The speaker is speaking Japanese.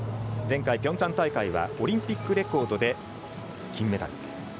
前回ピョンチャン大会はオリンピックレコードで金メダル。